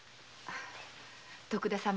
徳田様